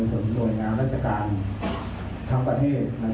จนโดยงานราชการทั้งประเทศนะครับ